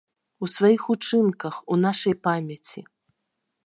У сваіх учынках, у нашай памяці.